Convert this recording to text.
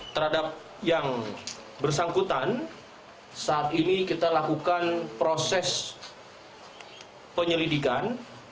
terhadap yang bersangkutan saat ini kita lakukan proses penyelidikan